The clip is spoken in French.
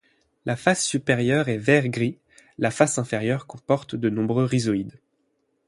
La face supérieure est vert gris, la face inférieure comporte de nombreux rhizoïdes.